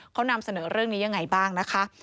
เขานำเสนอเรื่องนี้ยังไงบ้างนะคะ